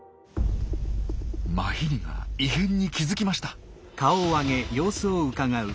マヒリが異変に気付きました。